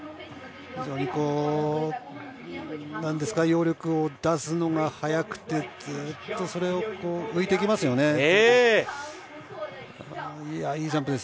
非常に揚力を出すのが早くてずっと、それを浮いてきますよね。